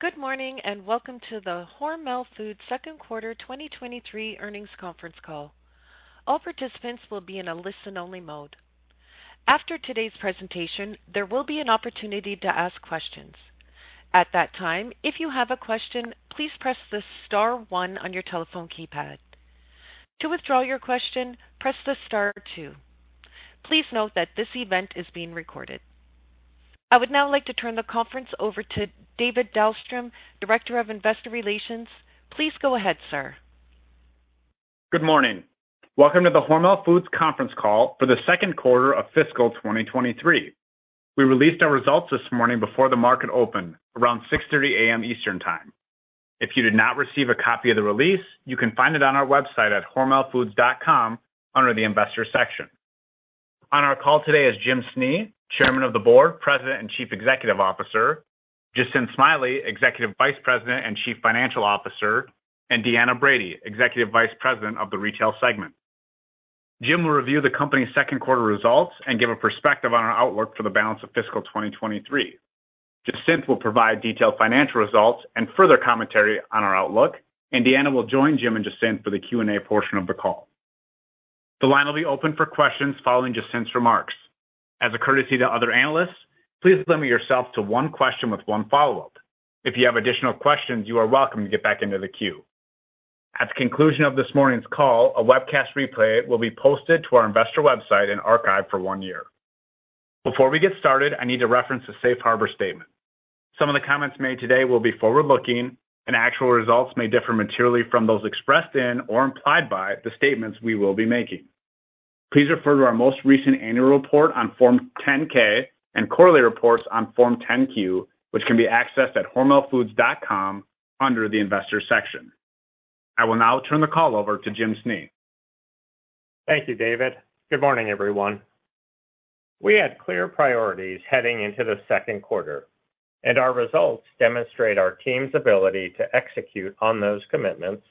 Good morning, welcome to the Hormel Foods Second Quarter 2023 Earnings Conference Call. All participants will be in a listen-only mode. After today's presentation, there will be an opportunity to ask questions. At that time, if you have a question, please press the star one on your telephone keypad. To withdraw your question, press the star two. Please note that this event is being recorded. I would now like to turn the conference over to David Dahlstrom, Director of Investor Relations. Please go ahead, sir. Good morning. Welcome to the Hormel Foods’ Conference Call for the Second Quarter of Fiscal 2023. We released our results this morning before the market opened, around 6:30 A.M. Eastern Time. If you did not receive a copy of the release, you can find it on our website at hormelfoods.com under the Investor section. On our call today is Jim Snee, Chairman of the Board, President, and Chief Executive Officer, Jacinth Smiley, Executive Vice President and Chief Financial Officer, and Deanna Brady, Executive Vice President of the Retail segment. Jim will review the company's second quarter results and give a perspective on our outlook for the balance of fiscal 2023. Jacinth will provide detailed financial results and further commentary on our outlook. Deanna will join Jim and Jacinth for the Q&A portion of the call. The line will be open for questions following Jacinth's remarks. As a courtesy to other analysts, please limit yourself to one question with one follow-up. If you have additional questions, you are welcome to get back into the queue. At the conclusion of this morning's call, a webcast replay will be posted to our investor website and archived for one year. Before we get started, I need to reference the Safe Harbor Statement. Actual results may differ materially from those expressed in or implied by the statements we will be making. Please refer to our most recent annual report on Form 10-K and quarterly reports on Form 10-Q, which can be accessed at hormelfoods.com under the Investor section. I will now turn the call over to Jim Snee. Thank you, David. Good morning, everyone. We had clear priorities heading into the second quarter, and our results demonstrate our team's ability to execute on those commitments,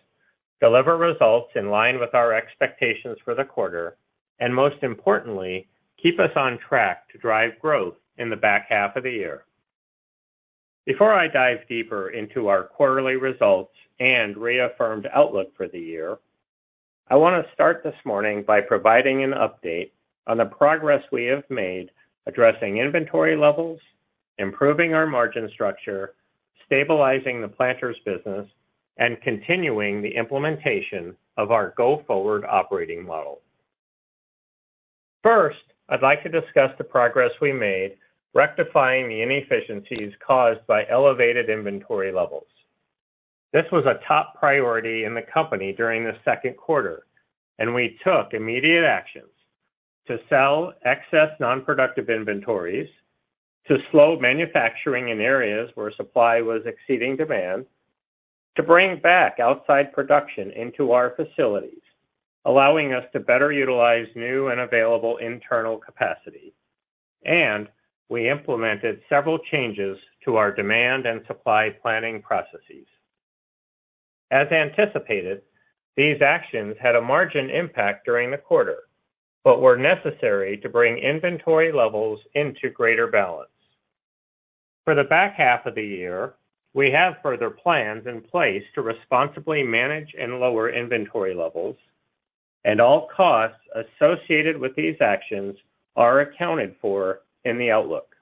deliver results in line with our expectations for the quarter, and most importantly, keep us on track to drive growth in the back half of the year. Before I dive deeper into our quarterly results and reaffirmed outlook for the year, I want to start this morning by providing an update on the progress we have made addressing inventory levels, improving our margin structure, stabilizing the PLANTERS business, and continuing the implementation of our Go Forward operating model. First, I'd like to discuss the progress we made rectifying the inefficiencies caused by elevated inventory levels. This was a top priority in the company during the second quarter, and we took immediate actions to sell excess non-productive inventories, to slow manufacturing in areas where supply was exceeding demand, to bring back outside production into our facilities, allowing us to better utilize new and available internal capacity, and we implemented several changes to our demand and supply planning processes. As anticipated, these actions had a margin impact during the quarter, but were necessary to bring inventory levels into greater balance. For the back half of the year, we have further plans in place to responsibly manage and lower inventory levels, and all costs associated with these actions are accounted for in the outlook.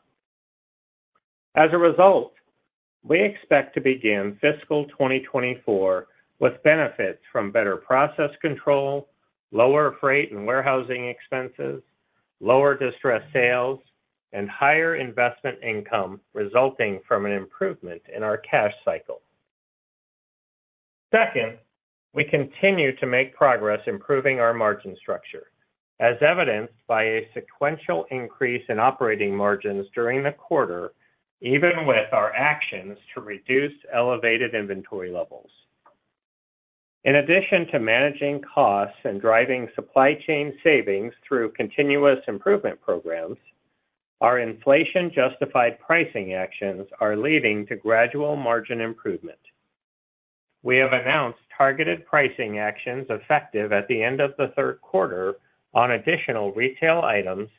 As a result, we expect to begin fiscal 2024 with benefits from better process control, lower freight and warehousing expenses, lower distressed sales, and higher investment income resulting from an improvement in our cash cycle. Second, we continue to make progress improving our margin structure, as evidenced by a sequential increase in operating margins during the quarter, even with our actions to reduce elevated inventory levels. In addition to managing costs and driving supply chain savings through continuous improvement programs, our inflation-justified pricing actions are leading to gradual margin improvement. We have announced targeted pricing actions effective at the end of the third quarter on additional retail items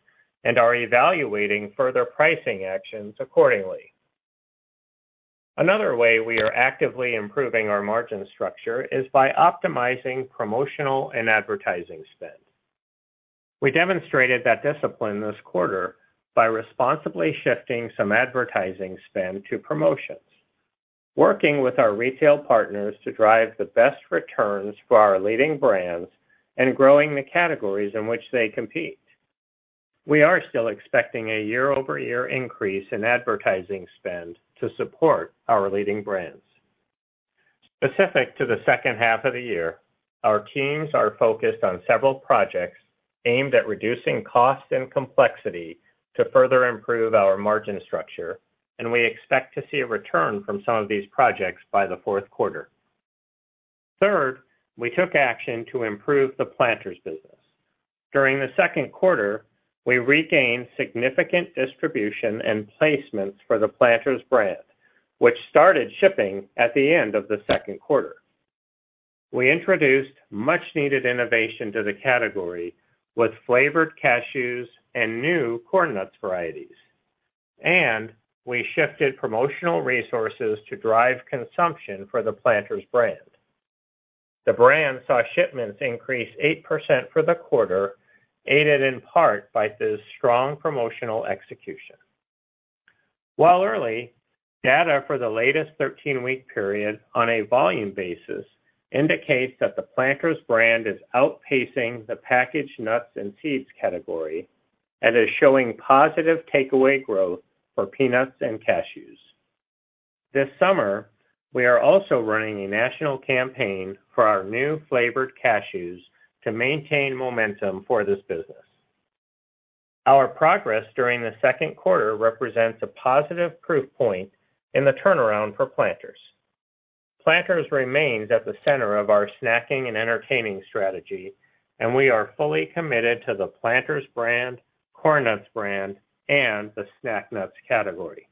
and are evaluating further pricing actions accordingly. Another way we are actively improving our margin structure is by optimizing promotional and advertising spend. We demonstrated that discipline this quarter by responsibly shifting some advertising spend to promotions, working with our retail partners to drive the best returns for our leading brands and growing the categories in which they compete. We are still expecting a year-over-year increase in advertising spend to support our leading brands. Specific to the second half of the year, our teams are focused on several projects aimed at reducing costs and complexity to further improve our margin structure, and we expect to see a return from some of these projects by the fourth quarter. Third, we took action to improve the PLANTERS business. During the second quarter, we regained significant distribution and placements for the PLANTERS brand, which started shipping at the end of the second quarter. We introduced much needed innovation to the category with flavored cashews and new CORN NUTS varieties. We shifted promotional resources to drive consumption for the Planters brand. The brand saw shipments increase 8% for the quarter, aided in part by this strong promotional execution. While early, data for the latest 13-week period on a volume basis indicates that the PLANTERS brand is outpacing the packaged nuts and seeds category and is showing positive takeaway growth for peanuts and cashews. This summer, we are also running a national campaign for our new flavored cashews to maintain momentum for this business. Our progress during the second quarter represents a positive proof point in the turnaround for PLANTERS. PLANTERS remains at the center of our snacking and entertaining strategy, and we are fully committed to the PLANTERS brand, CORN NUTS brand, and the snack nuts category.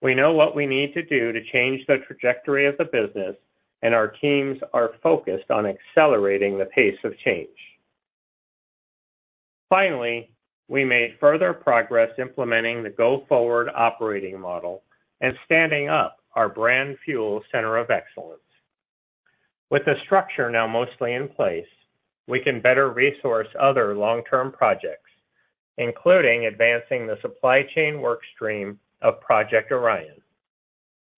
We know what we need to do to change the trajectory of the business, and our teams are focused on accelerating the pace of change. Finally, we made further progress implementing the Go Forward operating model and standing up our Brand Fuel center of excellence. With the structure now mostly in place, we can better resource other long-term projects, including advancing the supply chain work stream of Project Orion.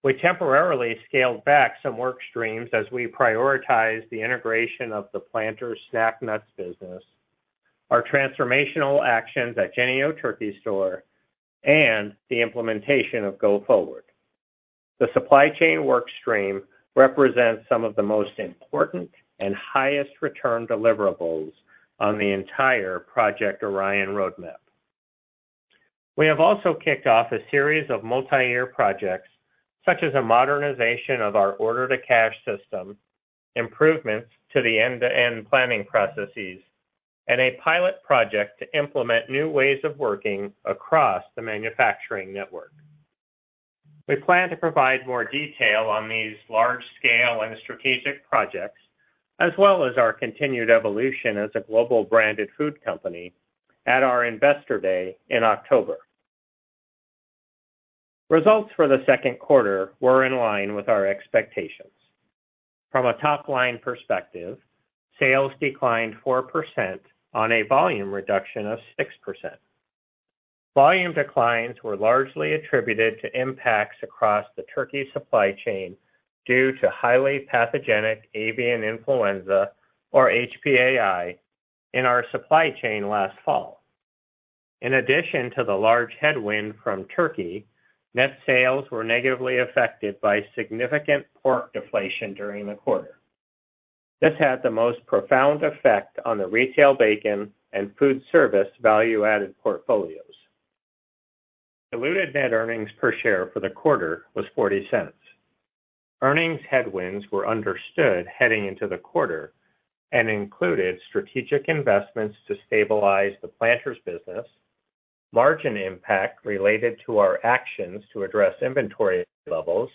We temporarily scaled back some work streams as we prioritize the integration of the PLANTERS snack nuts business, our transformational actions at Jennie-O Turkey Store, and the implementation of Go Forward. The supply chain work stream represents some of the most important and highest return deliverables on the entire Project Orion roadmap. We have also kicked off a series of multiyear projects, such as a modernization of our order-to-cash system, improvements to the end-to-end planning processes, and a pilot project to implement new ways of working across the manufacturing network. We plan to provide more detail on these large-scale and strategic projects, as well as our continued evolution as a global branded food company at our Investor Day in October. Results for the second quarter were in line with our expectations. From a top-line perspective, sales declined 4% on a volume reduction of 6%. Volume declines were largely attributed to impacts across the turkey supply chain due to Highly Pathogenic Avian Influenza, or HPAI, in our supply chain last fall. In addition to the large headwind from turkey, net sales were negatively affected by significant pork deflation during the quarter. This had the most profound effect on the retail bacon and food service value-added portfolios. Diluted net earnings per share for the quarter was $0.40. Earnings headwinds were understood heading into the quarter and included strategic investments to stabilize the PLANTERS, margin impact related to our actions to address inventory levels,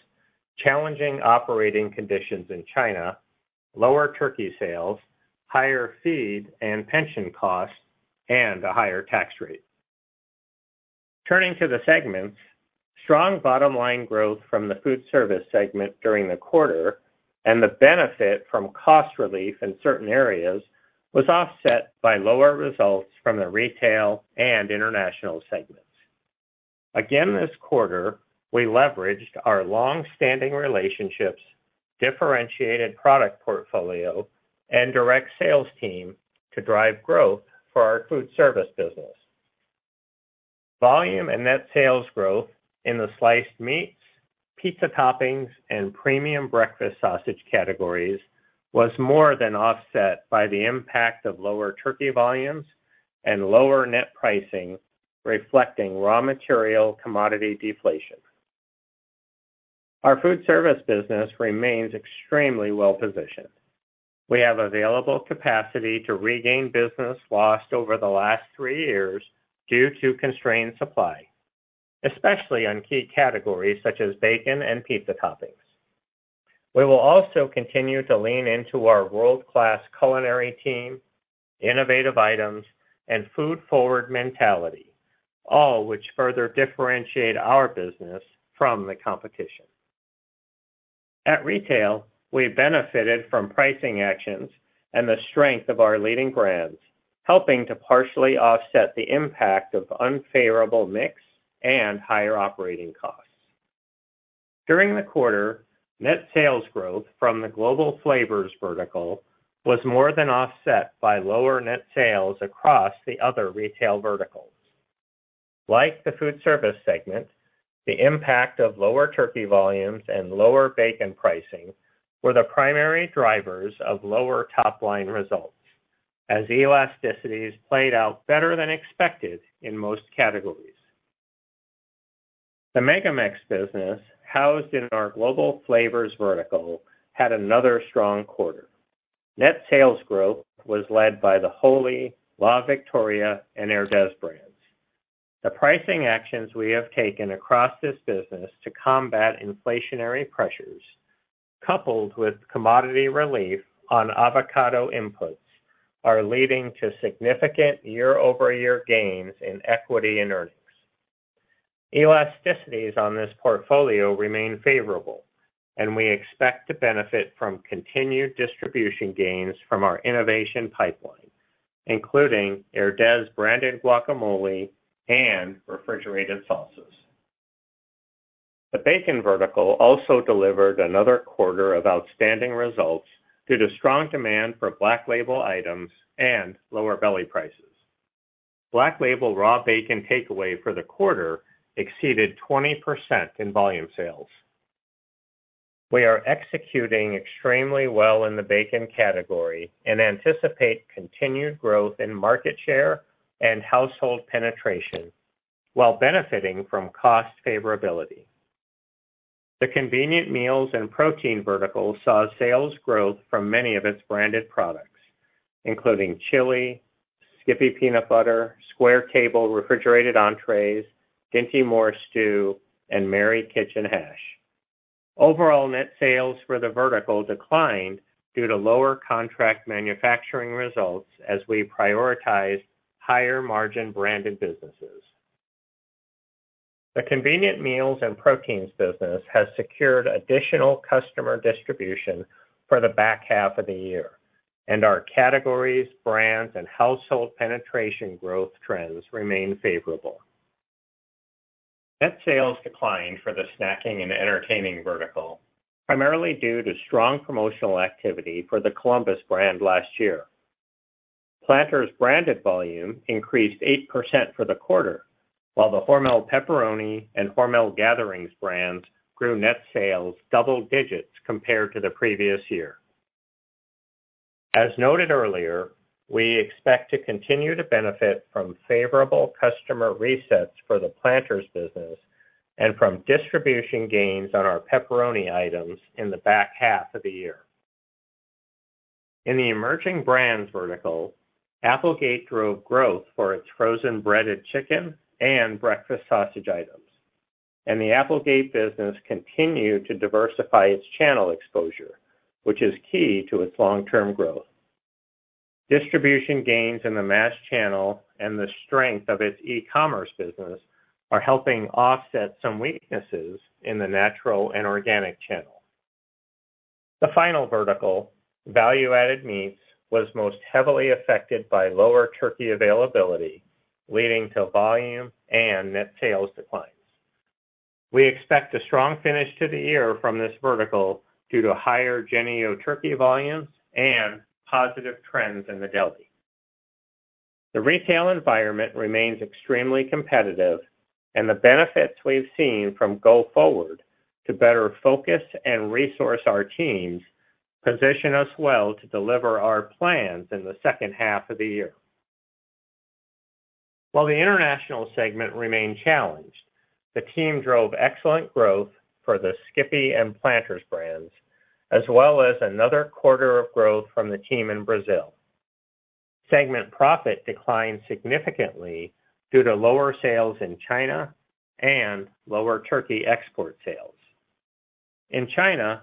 challenging operating conditions in China, lower turkey sales, higher feed and pension costs, and a higher tax rate. Turning to the segments, strong bottom line growth from the foodservice segment during the quarter and the benefit from cost relief in certain areas was offset by lower results from the retail and international segments. Again, this quarter, we leveraged our long-standing relationships, differentiated product portfolio, and direct sales team to drive growth for our foodservice business. Volume and net sales growth in the sliced meats, pizza toppings, and premium breakfast sausage categories was more than offset by the impact of lower turkey volumes and lower net pricing, reflecting raw material commodity deflation. Our foodservice business remains extremely well-positioned. We have available capacity to regain business lost over the last three years due to constrained supply, especially on key categories such as bacon and pizza toppings. We will also continue to lean into our world-class culinary team, innovative items, and food-forward mentality, all which further differentiate our business from the competition. At retail, we benefited from pricing actions and the strength of our leading brands, helping to partially offset the impact of unfavorable mix and higher operating costs. During the quarter, net sales growth from the global flavors vertical was more than offset by lower net sales across the other retail verticals. Like the foodservice segment, the impact of lower turkey volumes and lower bacon pricing were the primary drivers of lower top-line results, as elasticities played out better than expected in most categories. The MegaMex business, housed in our global flavors vertical, had another strong quarter. Net sales growth was led by the WHOLLY, LA VICTORIA, and HERDEZ brands. The pricing actions we have taken across this business to combat inflationary pressures, coupled with commodity relief on avocado inputs, are leading to significant year-over-year gains in equity and earnings. We expect to benefit from continued distribution gains from our innovation pipeline, including HERDEZ-branded guacamole and refrigerated salsas. The bacon vertical also delivered another quarter of outstanding results due to strong demand for BLACK LABEL items and lower belly prices. BLACK LABEL raw bacon takeaway for the quarter exceeded 20% in volume sales. We are executing extremely well in the bacon category and anticipate continued growth in market share and household penetration while benefiting from cost favorability. The convenient meals and protein vertical saw sales growth from many of its branded products, including chili, SKIPPY Peanut Butter, SQUARE TABLE refrigerated entrees, DINTY MOORE stew, and MARY KITCHEN hash. Overall net sales for the vertical declined due to lower contract manufacturing results as we prioritized higher-margin branded businesses. The convenient meals and proteins business has secured additional customer distribution for the back half of the year, and our categories, brands, and household penetration growth trends remain favorable. Net sales declined for the snacking and entertaining vertical, primarily due to strong promotional activity for the COLUMBUS brand last year. PLANTERS branded volume increased 8% for the quarter, while the HORMEL Pepperoni and HORMEL GATHERINGS brands grew net sales double digits compared to the previous year. As noted earlier, we expect to continue to benefit from favorable customer resets for the PLANTERS business and from distribution gains on our pepperoni items in the back half of the year. In the emerging brands vertical, Applegate drove growth for its frozen breaded chicken and breakfast sausage items, and the Applegate business continued to diversify its channel exposure, which is key to its long-term growth. Distribution gains in the mass channel and the strength of its e-commerce business are helping offset some weaknesses in the natural and organic channel. The final vertical, value-added meats, was most heavily affected by lower turkey availability, leading to volume and net sales declines. We expect a strong finish to the year from this vertical due to higher Jennie-O Turkey volumes and positive trends in the deli. The benefits we've seen from Go Forward to better focus and resource our teams position us well to deliver our plans in the second half of the year. While the international segment remained challenged, the team drove excellent growth for the SKIPPY and PLANTERS brands, as well as another quarter of growth from the team in Brazil. Segment profit declined significantly due to lower sales in China and lower turkey export sales. In China,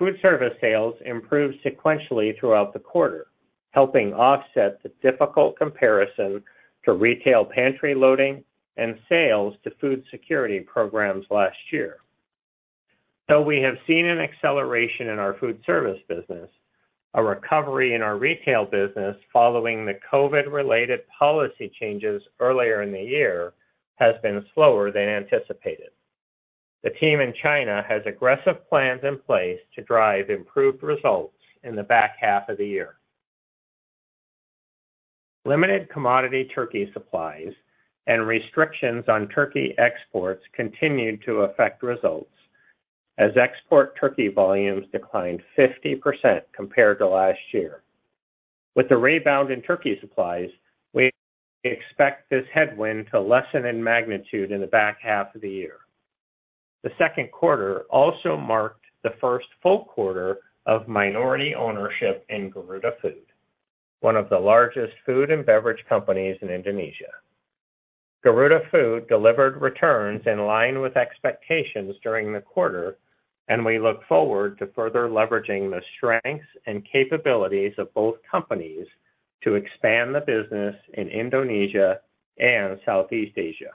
foodservice sales improved sequentially throughout the quarter, helping offset the difficult comparison to retail pantry loading and sales to food security programs last year. We have seen an acceleration in our food service business, a recovery in our retail business following the COVID-related policy changes earlier in the year has been slower than anticipated. The team in China has aggressive plans in place to drive improved results in the back half of the year. Limited commodity turkey supplies and restrictions on turkey exports continued to affect results as export turkey volumes declined 50% compared to last year. With the rebound in turkey supplies, we expect this headwind to lessen in magnitude in the back half of the year. The second quarter also marked the first full quarter of minority ownership in Garudafood, one of the largest food and beverage companies in Indonesia. Garudafood delivered returns in line with expectations during the quarter. We look forward to further leveraging the strengths and capabilities of both companies to expand the business in Indonesia and Southeast Asia.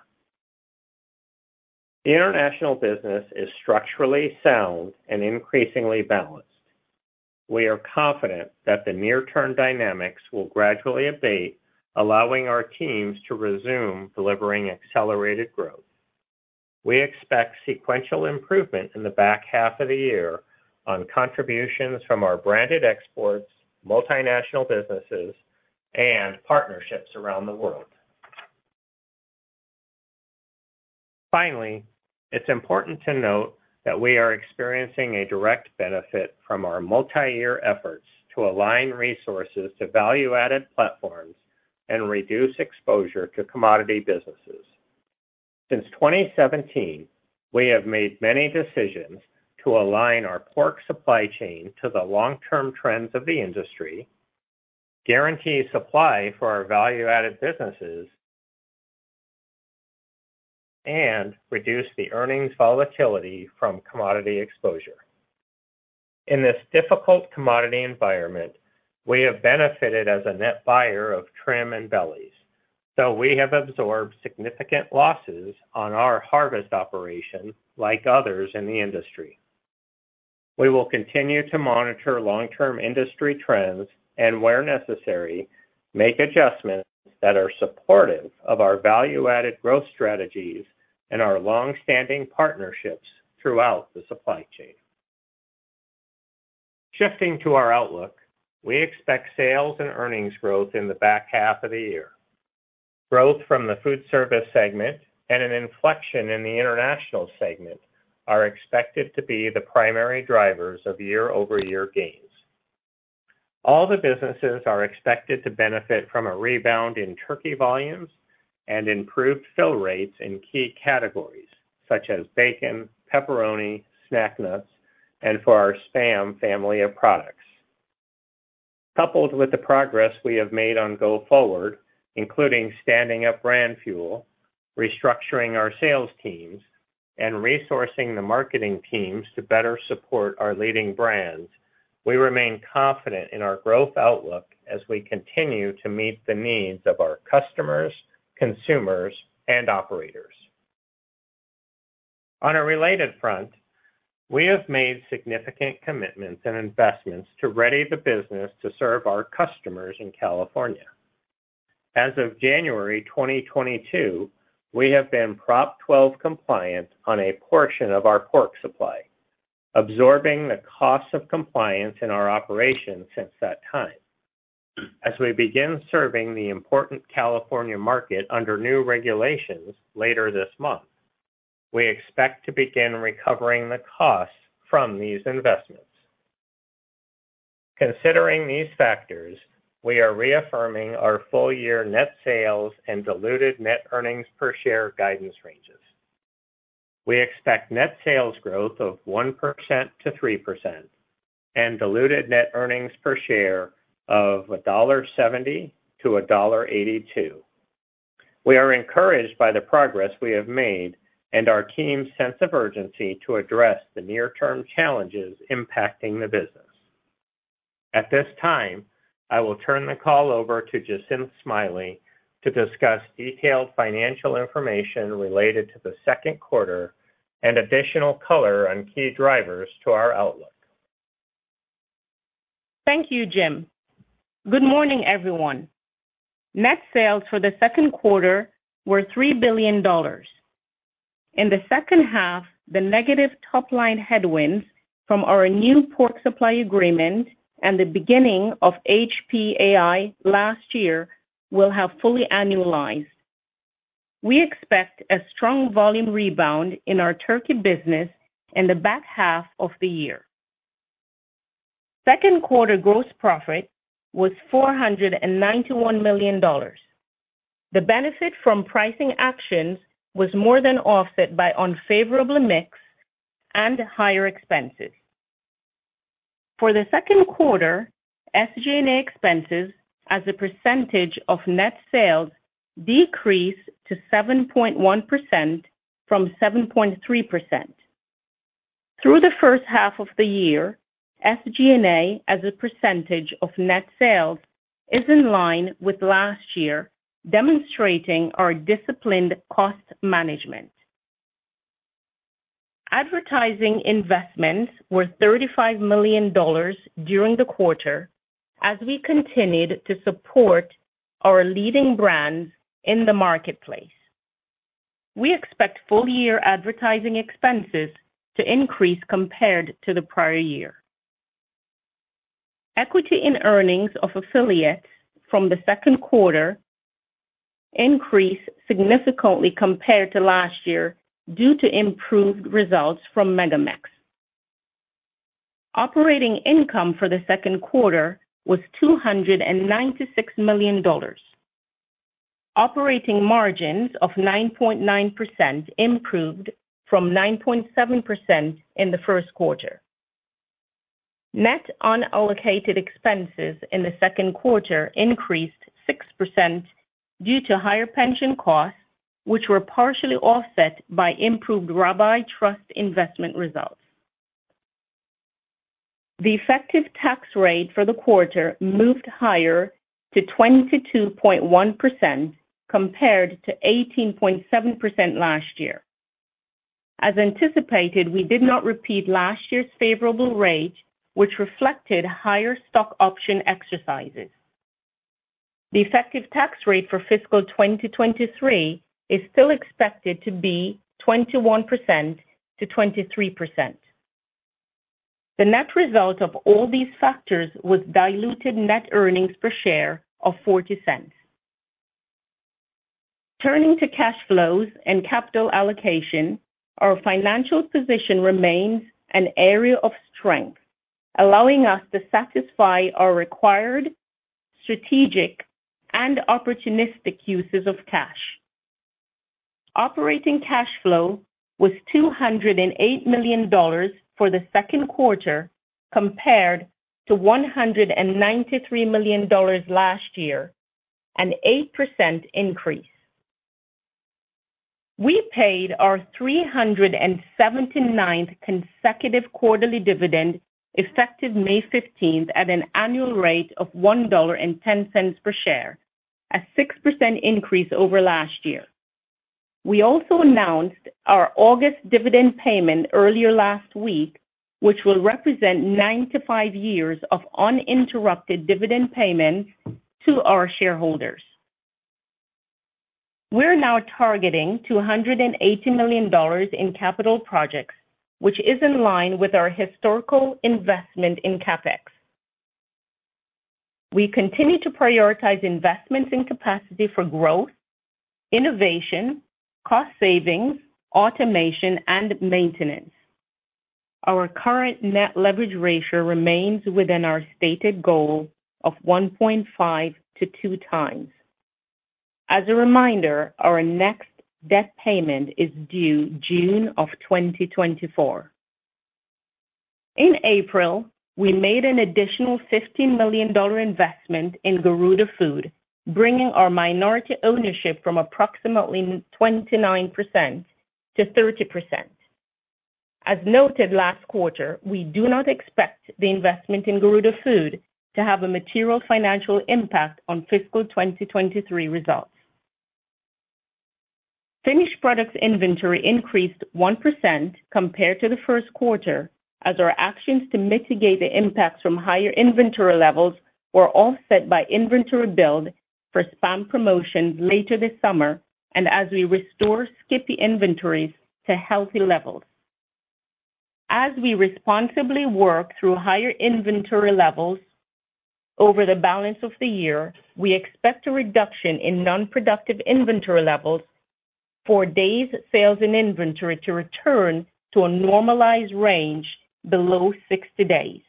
The international business is structurally sound and increasingly balanced. We are confident that the near-term dynamics will gradually abate, allowing our teams to resume delivering accelerated growth. We expect sequential improvement in the back half of the year on contributions from our branded exports, multinational businesses, and partnerships around the world. Finally, it's important to note that we are experiencing a direct benefit from our multi-year efforts to align resources to value-added platforms and reduce exposure to commodity businesses. Since 2017, we have made many decisions to align our pork supply chain to the long-term trends of the industry, guarantee supply for our value-added businesses, and reduce the earnings volatility from commodity exposure. In this difficult commodity environment, we have benefited as a net buyer of trim and bellies, though we have absorbed significant losses on our harvest operation, like others in the industry. We will continue to monitor long-term industry trends and, where necessary, make adjustments that are supportive of our value-added growth strategies and our long-standing partnerships throughout the supply chain. Shifting to our outlook, we expect sales and earnings growth in the back half of the year. Growth from the foodservice segment and an inflection in the international segment are expected to be the primary drivers of year-over-year gains. All the businesses are expected to benefit from a rebound in turkey volumes and improved fill rates in key categories such as bacon, pepperoni, snack nuts, and for our SPAM family of products. Coupled with the progress we have made on Go Forward, including standing up Brand Fuel, restructuring our sales teams, and resourcing the marketing teams to better support our leading brands, we remain confident in our growth outlook as we continue to meet the needs of our customers, consumers, and operators. On a related front, we have made significant commitments and investments to ready the business to serve our customers in California. As of January 2022, we have been Prop 12 compliant on a portion of our pork supply, absorbing the costs of compliance in our operations since that time. As we begin serving the important California market under new regulations later this month, we expect to begin recovering the costs from these investments. Considering these factors, we are reaffirming our full-year net sales and diluted net earnings per share guidance ranges. We expect net sales growth of 1%-3% and diluted net earnings per share of $1.70-$1.82. We are encouraged by the progress we have made and our team's sense of urgency to address the near-term challenges impacting the business. At this time, I will turn the call over to Jacinth Smiley to discuss detailed financial information related to the second quarter and additional color on key drivers to our outlook. Thank you, Jim. Good morning, everyone. Net sales for the second quarter were $3 billion. In the second half, the negative top-line headwinds from our new pork supply agreement and the beginning of HPAI last year will have fully annualized. We expect a strong volume rebound in our turkey business in the back half of the year. Second quarter gross profit was $491 million. The benefit from pricing actions was more than offset by unfavorable mix and higher expenses. For the second quarter, SG&A expenses as a percentage of net sales decreased to 7.1% from 7.3%. Through the first half of the year, SG&A as a percentage of net sales is in line with last year, demonstrating our disciplined cost management. Advertising investments were $35 million during the quarter as we continued to support our leading brands in the marketplace. We expect full-year advertising expenses to increase compared to the prior year. Equity in earnings of affiliates from the second quarter increased significantly compared to last year due to improved results from MegaMex. Operating income for the second quarter was $296 million. Operating margins of 9.9% improved from 9.7% in the first quarter. Net unallocated expenses in the second quarter increased 6% due to higher pension costs, which were partially offset by improved rabbi trust investment results. The effective tax rate for the quarter moved higher to 22.1%, compared to 18.7% last year. As anticipated, we did not repeat last year's favorable rate, which reflected higher stock option exercises. The effective tax rate for fiscal 2023 is still expected to be 21%-23%. The net result of all these factors was diluted net earnings per share of $0.40. Turning to cash flows and capital allocation, our financial position remains an area of strength, allowing us to satisfy our required, strategic, and opportunistic uses of cash. Operating cash flow was $208 million for the 2Q, compared to $193 million last year, an 8% increase. We paid our 379th consecutive quarterly dividend, effective May 15th, at an annual rate of $1.10 per share, a 6% increase over last year. We also announced our August dividend payment earlier last week, which will represent 95 years of uninterrupted dividend payments to our shareholders. We're now targeting $280 million in capital projects, which is in line with our historical investment in CapEx. We continue to prioritize investments in capacity for growth, innovation, cost savings, automation, and maintenance. Our current net leverage ratio remains within our stated goal of 1.5x-2x. As a reminder, our next debt payment is due June of 2024. In April, we made an additional $15 million investment in Garudafood, bringing our minority ownership from approximately 29%-30%. As noted last quarter, we do not expect the investment in Garudafood to have a material financial impact on fiscal 2023 results. Finished products inventory increased 1% compared to the first quarter, as our actions to mitigate the impacts from higher inventory levels were offset by inventory build for SPAM promotions later this summer, and as we restore SKIPPY inventories to healthy levels. As we responsibly work through higher inventory levels over the balance of the year, we expect a reduction in non-productive inventory levels for days sales and inventory to return to a normalized range below 60 days.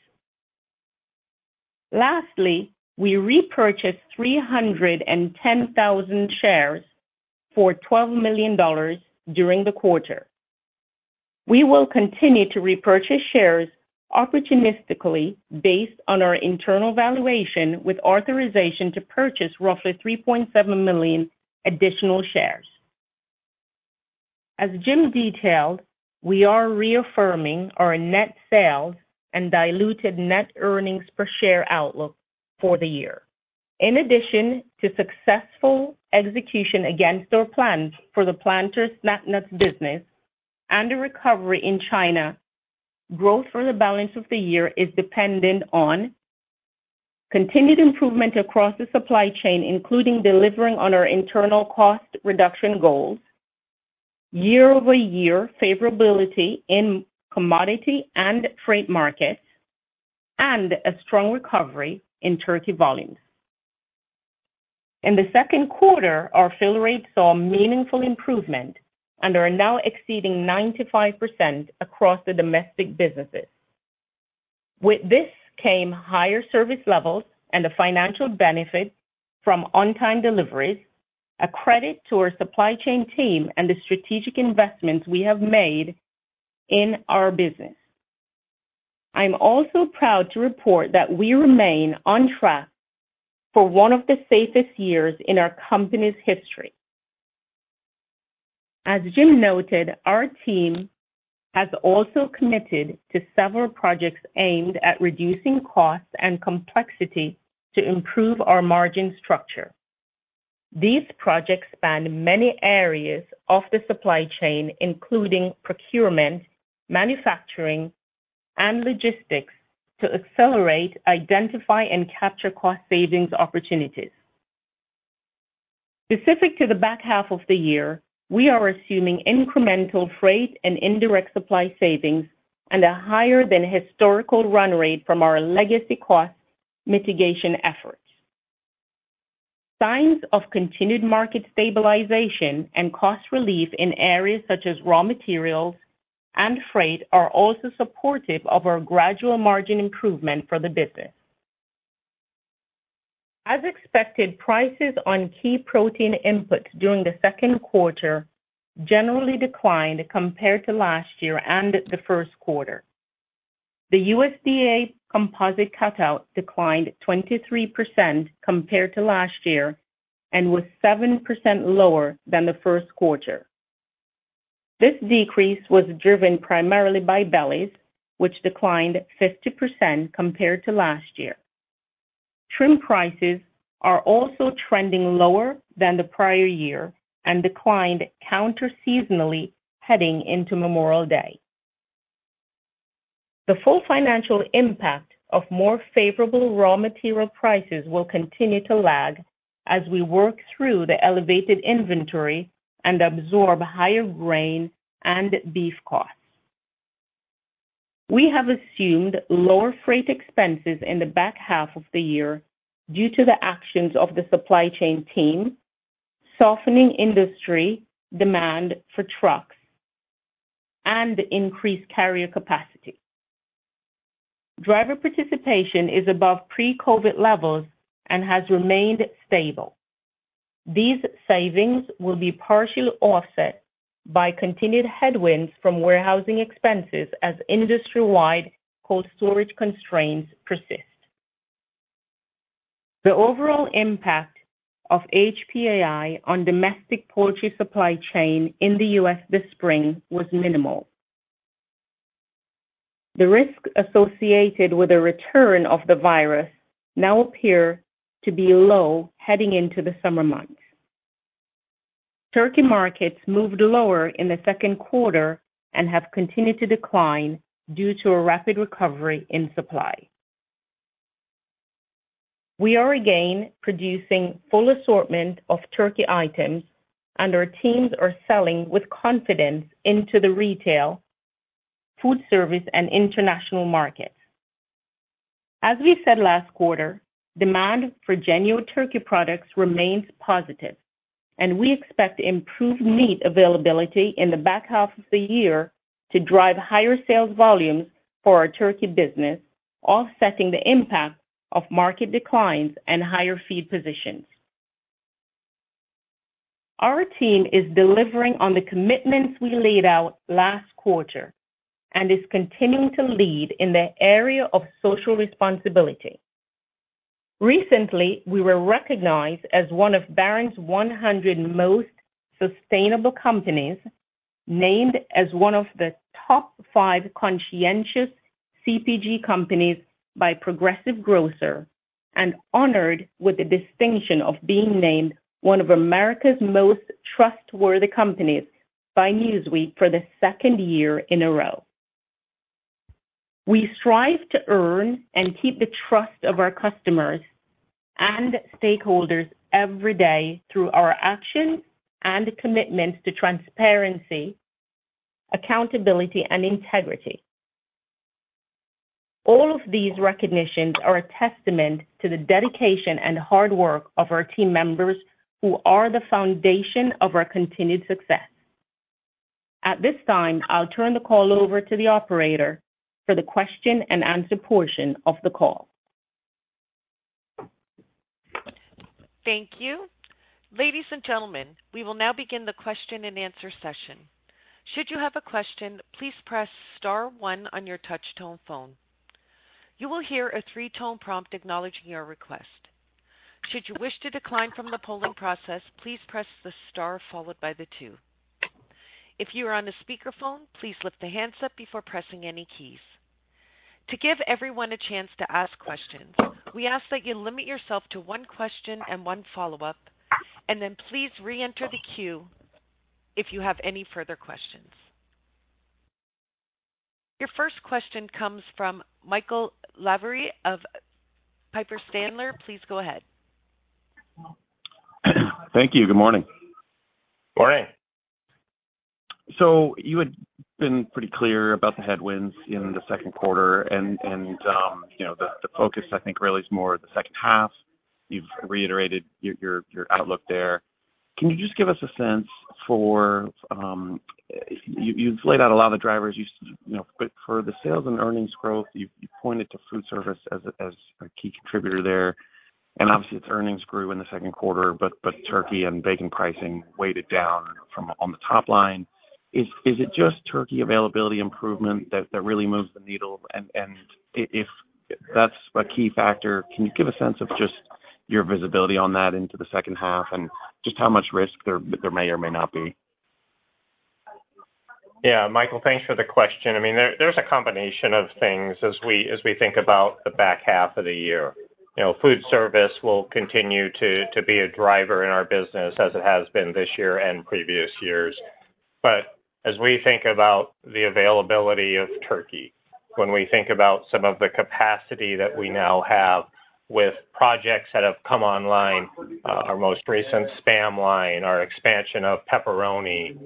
Lastly, we repurchased 310,000 shares for $12 million during the quarter. We will continue to repurchase shares opportunistically based on our internal valuation, with authorization to purchase roughly 3.7 million additional shares. As Jim detailed, we are reaffirming our net sales and diluted net earnings per share outlook for the year. In addition to successful execution against our plans for the PLANTERS snack nuts business and a recovery in China, growth for the balance of the year is dependent on continued improvement across the supply chain, including delivering on our internal cost reduction goals, year-over-year favorability in commodity and freight markets, and a strong recovery in turkey volumes. In the second quarter, our fill rates saw a meaningful improvement and are now exceeding 95% across the domestic businesses. With this came higher service levels and a financial benefit from on-time deliveries, a credit to our supply chain team, and the strategic investments we have made in our business. I'm also proud to report that we remain on track for one of the safest years in our company's history. As Jim noted, our team has also committed to several projects aimed at reducing costs and complexity to improve our margin structure. These projects span many areas of the supply chain, including procurement, manufacturing, and logistics, to accelerate, identify, and capture cost savings opportunities. Specific to the back half of the year, we are assuming incremental freight and indirect supply savings and a higher than historical run rate from our legacy cost mitigation efforts. Signs of continued market stabilization and cost relief in areas such as raw materials and freight are also supportive of our gradual margin improvement for the business. As expected, prices on key protein inputs during the second quarter generally declined compared to last year and the first quarter. The USDA composite cutout declined 23% compared to last year and was 7% lower than the first quarter. This decrease was driven primarily by bellies, which declined 50% compared to last year. Trim prices are also trending lower than the prior year and declined counter seasonally heading into Memorial Day. The full financial impact of more favorable raw material prices will continue to lag as we work through the elevated inventory and absorb higher grain and beef costs. We have assumed lower freight expenses in the back half of the year due to the actions of the supply chain team, softening industry demand for trucks, and increased carrier capacity. Driver participation is above pre-COVID levels and has remained stable. These savings will be partially offset by continued headwinds from warehousing expenses as industry-wide cold storage constraints persist. The overall impact of HPAI on domestic poultry supply chain in the U.S. this spring was minimal. The risk associated with the return of the virus now appear to be low heading into the summer months. Turkey markets moved lower in the second quarter and have continued to decline due to a rapid recovery in supply. We are again producing full assortment of turkey items, and our teams are selling with confidence into the retail, foodservice, and international markets. As we said last quarter, demand for genuine turkey products remains positive, and we expect improved meat availability in the back half of the year to drive higher sales volumes for our turkey business, offsetting the impact of market declines and higher feed positions. Our team is delivering on the commitments we laid out last quarter and is continuing to lead in the area of social responsibility. Recently, we were recognized as one of Barron's 100 most sustainable companies, named as one of the top five conscientious CPG companies by Progressive Grocer, and honored with the distinction of being named one of America's most trustworthy companies by Newsweek for the second year in a row. We strive to earn and keep the trust of our customers and stakeholders every day through our actions and commitments to transparency, accountability, and integrity. All of these recognitions are a testament to the dedication and hard work of our team members, who are the foundation of our continued success. At this time, I'll turn the call over to the operator for the question and answer portion of the call. Thank you. Ladies and gentlemen, we will now begin the question-and-answer session. Should you have a question, please press star 1 on your touchtone phone. You will hear a three-tone prompt acknowledging your request. Should you wish to decline from the polling process, please press the star followed by the two. If you are on a speakerphone, please lift the handset before pressing any keys. To give everyone a chance to ask questions, we ask that you limit yourself to one question and one follow-up, and then please reenter the queue if you have any further questions. Your first question comes from Michael Lavery of Piper Sandler. Please go ahead. Thank you. Good morning. Morning. You had been pretty clear about the headwinds in the second quarter, and, you know, the focus, I think, really is more the second half. You've reiterated your outlook there. Can you just give us a sense for, you've laid out a lot of the drivers, you know, but for the sales and earnings growth, you pointed to food service as a key contributor there, and obviously, its earnings grew in the second quarter, but turkey and bacon pricing weighted down from on the top line. Is it just turkey availability improvement that really moves the needle? If that's a key factor, can you give a sense of just your visibility on that into the second half and just how much risk there may or may not be? Yeah, Michael, thanks for the question. I mean, there's a combination of things as we think about the back half of the year. You know, foodservice will continue to be a driver in our business as it has been this year and previous years. As we think about the availability of turkey, when we think about some of the capacity that we now have with projects that have come online, our most recent SPAM line, our expansion of pepperoni,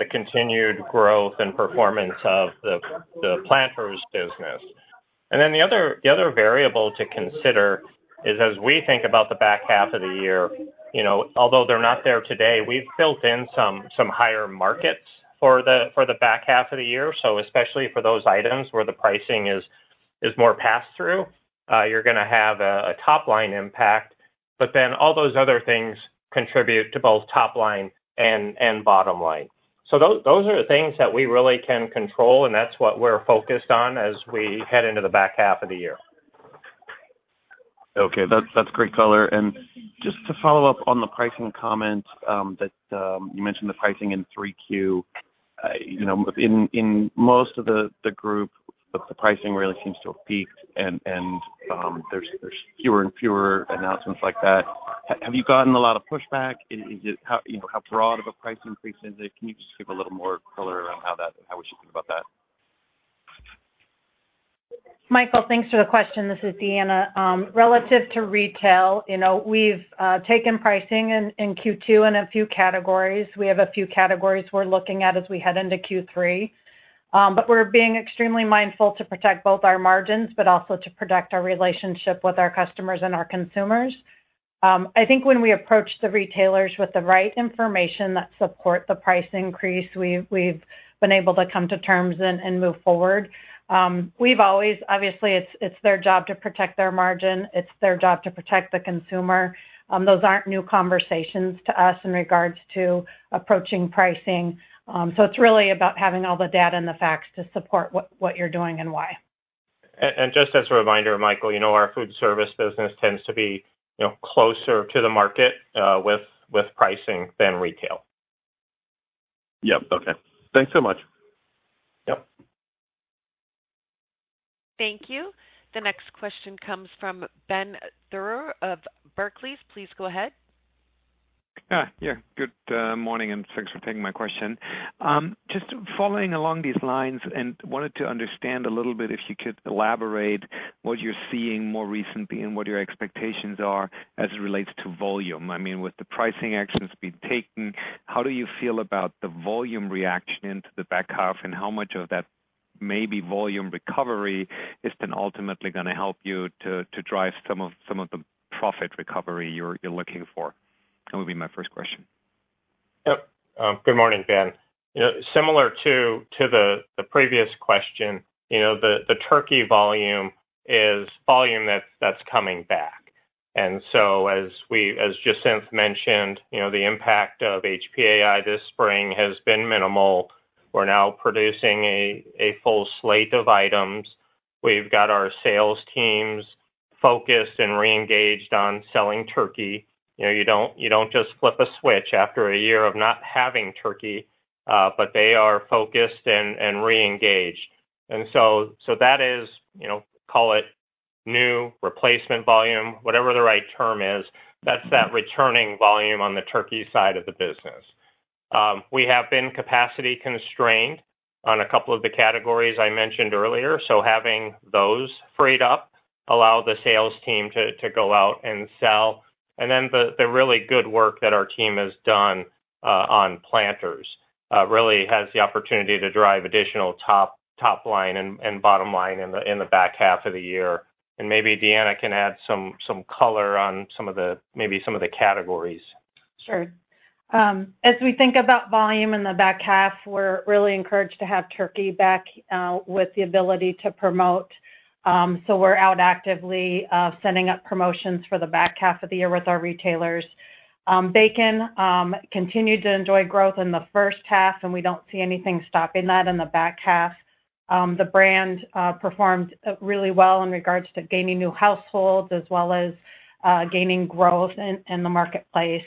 the continued growth and performance of the PLANTERS business. The other variable to consider is as we think about the back half of the year, you know, although they're not there today, we've built in some higher markets for the back half of the year. Especially for those items where the pricing is more pass through, you're gonna have a top-line impact. All those other things contribute to both top line and bottom line. Those are the things that we really can control, and that's what we're focused on as we head into the back half of the year. Okay, that's great color. Just to follow up on the pricing comment, you mentioned the pricing in 3Q. You know, in most of the group, the pricing really seems to have peaked, and fewer and fewer announcements like that. Have you gotten a lot of pushback? How, you know, how broad of a price increase is it? Can you just give a little more color around how we should think about that? Michael, thanks for the question. This is Deanna. relative to retail, you know, we've taken pricing in Q2 in a few categories. We have a few categories we're looking at as we head into Q3, we're being extremely mindful to protect both our margins, but also to protect our relationship with our customers and our consumers. I think when we approach the retailers with the right information that support the price increase, we've been able to come to terms and move forward. We've always, obviously, it's their job to protect their margin. It's their job to protect the consumer. Those aren't new conversations to us in regards to approaching pricing. It's really about having all the data and the facts to support what you're doing and why. Just as a reminder, Michael, you know, our foodservice business tends to be, you know, closer to the market, with pricing than retail. Yep. Okay. Thanks so much. Yep. Thank you. The next question comes from Ben Theurer of Barclays. Please go ahead. Yeah, good morning, Thanks for taking my question. Just following along these lines and wanted to understand a little bit, if you could elaborate what you're seeing more recently and what your expectations are as it relates to volume. I mean, with the pricing actions being taken, how do you feel about the volume reaction into the back half? How much of that maybe volume recovery is then ultimately gonna help you to drive some of the profit recovery you're looking for? That would be my first question. Good morning, Ben. You know, similar to the previous question, you know, the turkey volume is volume that's coming back. As Jacinth mentioned, you know, the impact of HPAI this spring has been minimal. We're now producing a full slate of items. We've got our sales teams focused and reengaged on selling turkey. You know, you don't just flip a switch after a year of not having turkey, but they are focused and reengaged. That is, you know, call it new replacement volume, whatever the right term is, that's that returning volume on the turkey side of the business. We have been capacity constrained on a couple of the categories I mentioned earlier, so having those freed up allow the sales team to go out and sell. The really good work that our team has done on PLANTERS really has the opportunity to drive additional top line and bottom line in the back half of the year. Maybe Deanna can add some color on maybe some of the categories. Sure. As we think about volume in the back half, we're really encouraged to have turkey back with the ability to promote. We're out actively setting up promotions for the back half of the year with our retailers. Bacon continued to enjoy growth in the first half, and we don't see anything stopping that in the back half. The brand performed really well in regards to gaining new households as well as gaining growth in the marketplace.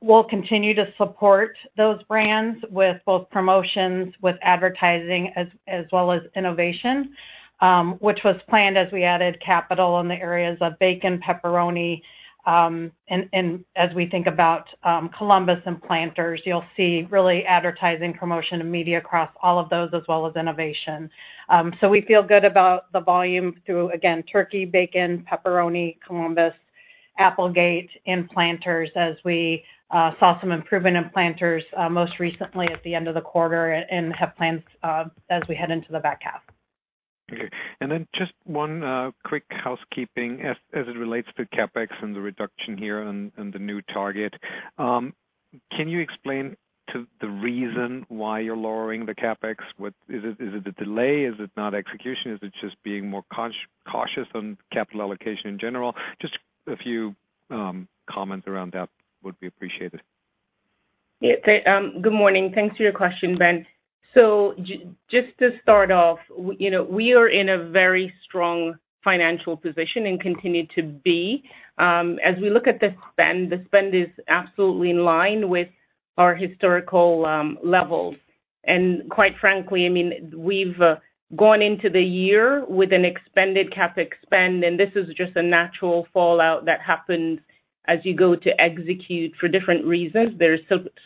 We'll continue to support those brands with both promotions, with advertising, as well as innovation, which was planned as we added capital in the areas of bacon, pepperoni. As we think about COLUMBUS and PLANTERS, you'll see really advertising, promotion, and media across all of those, as well as innovation. We feel good about the volume through, again, turkey, bacon, pepperoni, COLUMBUS, Applegate, and PLANTERS, as we saw some improvement in Planters most recently at the end of the quarter and have plans as we head into the back half. Okay. Just one quick housekeeping as it relates to CapEx and the reduction here and the new target. Can you explain to the reason why you're lowering the CapEx? Is it a delay? Is it not execution? Is it just being more cautious on capital allocation in general? Just a few comments around that would be appreciated. Good morning. Thanks for your question, Ben. Just to start off, we, you know, we are in a very strong financial position and continue to be. As we look at the spend, the spend is absolutely in line with our historical levels. Quite frankly, I mean, we've gone into the year with an expanded CapEx spend, and this is just a natural fallout that happens as you go to execute for different reasons. There's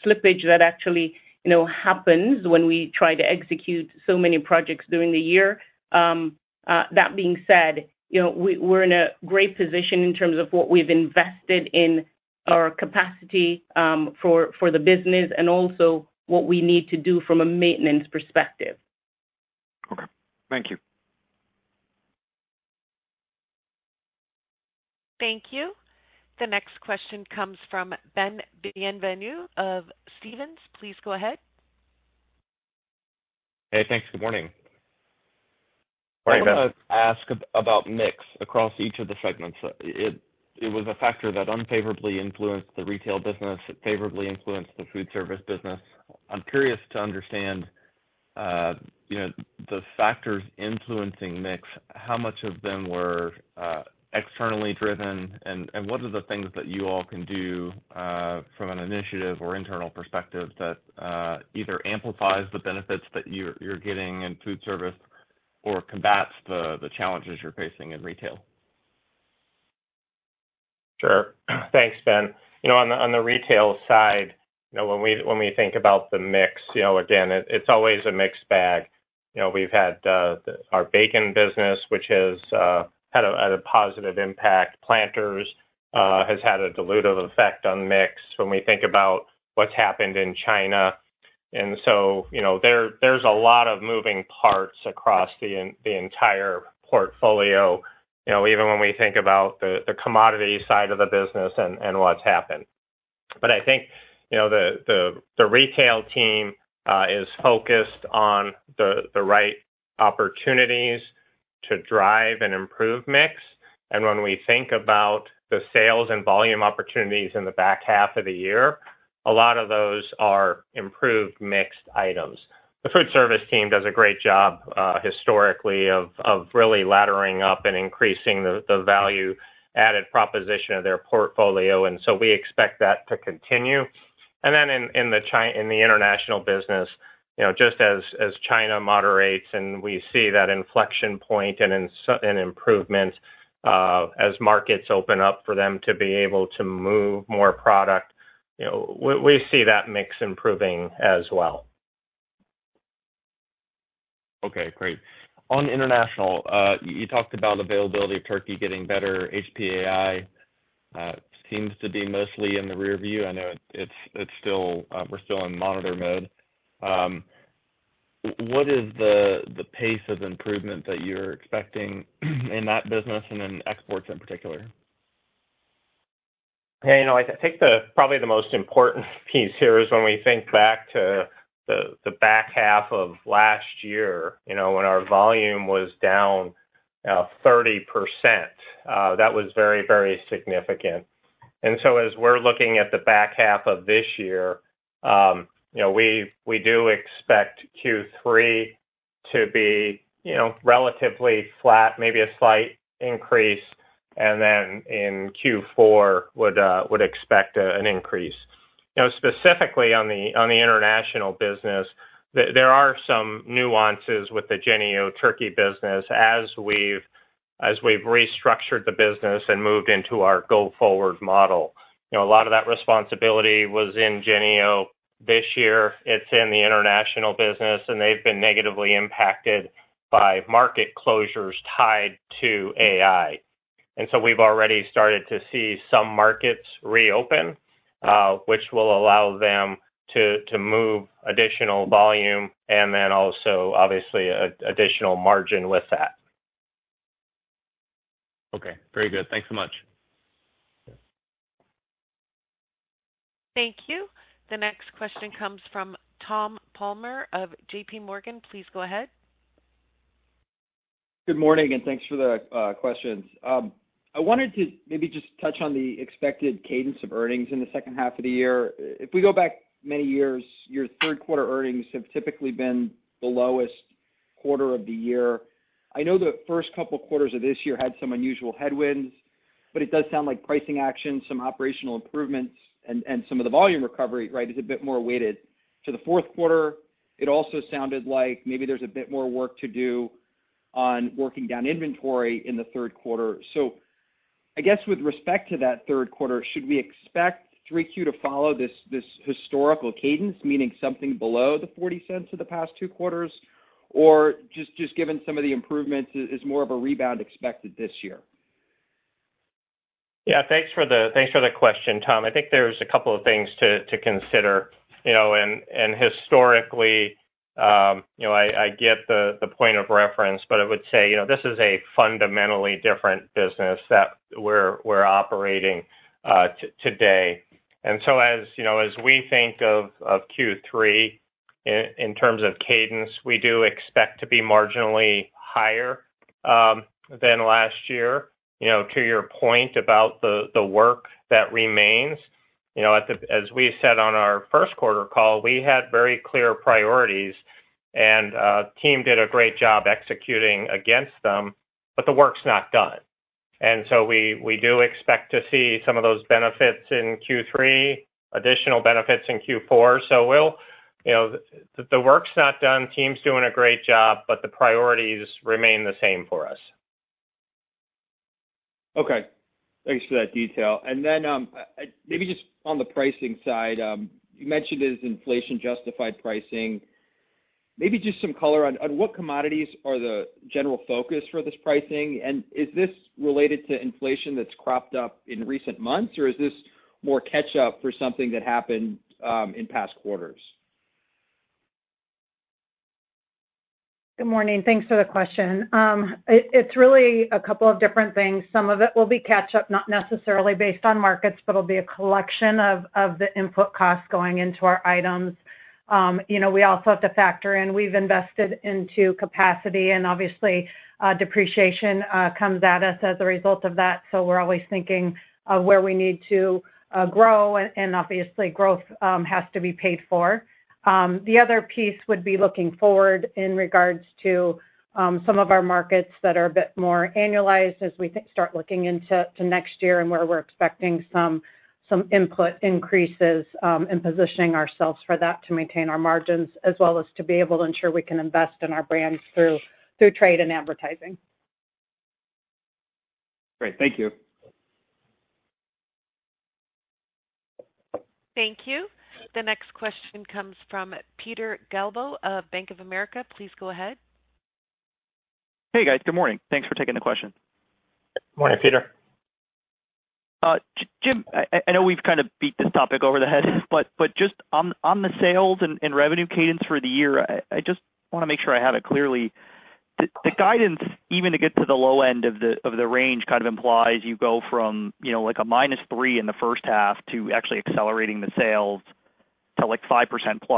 slippage that actually, you know, happens when we try to execute so many projects during the year. That being said, you know, we're in a great position in terms of what we've invested in our capacity for the business and also what we need to do from a maintenance perspective. Okay. Thank you. Thank you. The next question comes from Ben Bienvenu of Stephens. Please go ahead. Hey, thanks. Good morning. Morning, Ben. I wanna ask about mix across each of the segments. It was a factor that unfavorably influenced the retail business, it favorably influenced the food service business. I'm curious to understand, you know, the factors influencing mix, how much of them were externally driven? What are the things that you all can do from an initiative or internal perspective that either amplifies the benefits that you're getting in foodservice or combats the challenges you're facing in retail? Sure. Thanks, Ben. You know, on the, on the retail side, you know, when we, when we think about the mix, you know, again, it's always a mixed bag. You know, we've had our bacon business, which has had a positive impact. PLANTERS has had a dilutive effect on mix. When we think about what's happened in China, you know, there's a lot of moving parts across the entire portfolio, you know, even when we think about the commodity side of the business and what's happened. I think, you know, the, the retail team is focused on the right opportunities to drive and improve mix. When we think about the sales and volume opportunities in the back half of the year, a lot of those are improved mixed items. The foodservice team does a great job, historically, of really laddering up and increasing the value-added proposition of their portfolio, and so we expect that to continue. In the international business, you know, just as China moderates, and we see that inflection point and improvements, as markets open up for them to be able to move more product, you know, we see that mix improving as well. Okay, great. On international, you talked about availability of turkey getting better. HPAI, seems to be mostly in the rearview. I know it's still, we're still in monitor mode. What is the pace of improvement that you're expecting in that business and in exports in particular? Hey, you know, I think the—probably the most important piece here is when we think back to the back half of last year, you know, when our volume was down, 30%, that was very, very significant. As we're looking at the back half of this year, you know, we do expect Q3 to be, you know, relatively flat, maybe a slight increase, and then in Q4 would expect an increase. You know, specifically on the, on the international business, there are some nuances with the Jennie-O Turkey business as we've, as we've restructured the business and moved into our Go Forward model. You know, a lot of that responsibility was in Jennie-O. This year, it's in the international business, and they've been negatively impacted by market closures tied to AI. We've already started to see some markets reopen, which will allow them to move additional volume and then also, obviously, additional margin with that. Okay, very good. Thanks so much. Thank you. The next question comes from Tom Palmer of JPMorgan. Please go ahead. Good morning, thanks for the questions. I wanted to maybe just touch on the expected cadence of earnings in the second half of the year. If we go back many years, your third quarter earnings have typically been the lowest quarter of the year. I know the first couple quarters of this year had some unusual headwinds, it does sound like pricing action, some operational improvements, and some of the volume recovery, right, is a bit more weighted. To the fourth quarter, it also sounded like maybe there's a bit more work to do on working down inventory in the third quarter. I guess with respect to that third quarter, should we expect 3Q to follow this historical cadence, meaning something below the $0.40 of the past two quarters? Just given some of the improvements, is more of a rebound expected this year? Yeah, thanks for the question, Tom. I think there's a couple of things to consider, you know, and historically, you know, I get the point of reference, I would say, you know, this is a fundamentally different business that we're operating today. As you know, as we think of Q3 in terms of cadence, we do expect to be marginally higher than last year. You know, to your point about the work that remains, you know, as we said on our first quarter call, we had very clear priorities, the team did a great job executing against them, the work's not done. We do expect to see some of those benefits in Q3, additional benefits in Q4. So, you know, the work's not done. Team's doing a great job, but the priorities remain the same for us. Okay, thanks for that detail. Maybe just on the pricing side, you mentioned it as inflation-justified pricing. Maybe just some color on what commodities are the general focus for this pricing, and is this related to inflation that's cropped up in recent months, or is this more catch up for something that happened in past quarters? Good morning. Thanks for the question. It's really a couple of different things. Some of it will be catch up, not necessarily based on markets, but it'll be a collection of the input costs going into our items. You know, we also have to factor in, we've invested into capacity, and obviously, depreciation comes at us as a result of that, so we're always thinking of where we need to grow, and obviously, growth has to be paid for. The other piece would be looking forward in regards to some of our markets that are a bit more annualized as we start looking into next year and where we're expecting some input increases and positioning ourselves for that to maintain our margins, as well as to be able to ensure we can invest in our brands through trade and advertising. Great. Thank you. Thank you. The next question comes from Peter Galbo of Bank of America. Please go ahead. Hey, guys. Good morning. Thanks for taking the question. Morning, Peter. Jim, I know we've kind of beat this topic over the head, but just on the sales and revenue cadence for the year, I just wanna make sure I have it clearly. The guidance, even to get to the low end of the range, kind of implies you go from, you know, like a minus-three in the first half to actually accelerating the sales to, like,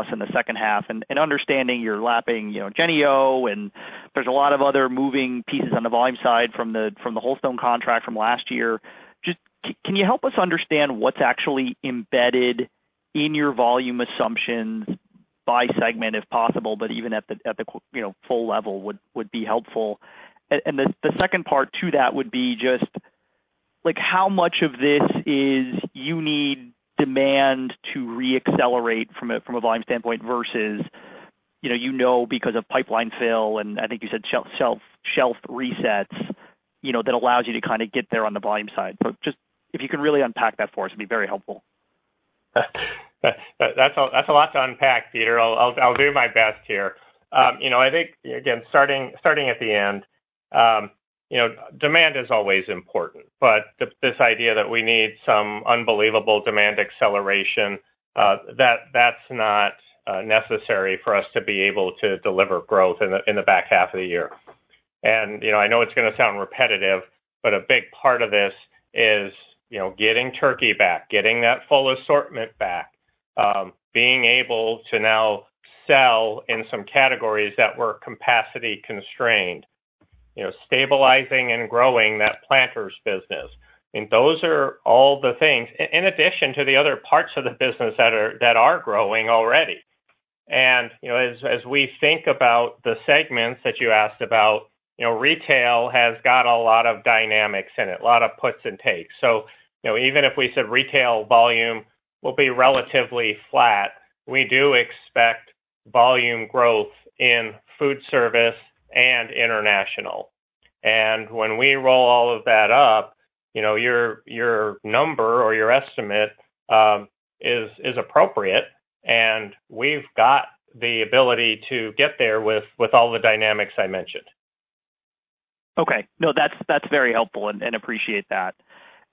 5%+ in the second half. Understanding you're lapping, you know, Jennie-O, and there's a lot of other moving pieces on the volume side from the WholeStone contract from last year. Just can you help us understand what's actually embedded in your volume assumptions by segment, if possible, but even at the, you know, full level, would be helpful? The second part to that would be just, like, how much of this is you need demand to reaccelerate from a, from a volume standpoint versus, you know, you know, because of pipeline fill, and I think you said shelf resets, you know, that allows you to kinda get there on the volume side? Just if you could really unpack that for us, it'd be very helpful. That's a lot to unpack, Peter. I'll do my best here. You know, I think, again, starting at the end, you know, demand is always important, but this idea that we need some unbelievable demand acceleration, that's not necessary for us to be able to deliver growth in the back half of the year. You know, I know it's gonna sound repetitive, but a big part of this is, you know, getting Turkey back, getting that full assortment back, being able to now sell in some categories that were capacity constrained, you know, stabilizing and growing that PLANTERS business. Those are all the things. In addition to the other parts of the business that are growing already. You know, as we think about the segments that you asked about, you know, retail has got a lot of dynamics in it, a lot of puts and takes. You know, even if we said retail volume will be relatively flat, we do expect volume growth in food service and international. When we roll all of that up, you know, your number or your estimate is appropriate, and we've got the ability to get there with all the dynamics I mentioned. Okay. No, that's very helpful, and appreciate that.